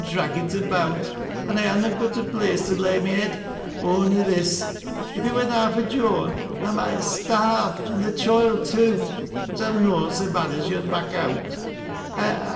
drag it about, an' 1 ha' not got a place to lay my head, on'y this. If it wur na for Joan, I might starve and tJic choild too. But I'm noan so bad as yo'd mak' out.